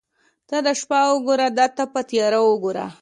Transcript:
ته دا شپه وګوره دا تپه تیاره وګوره.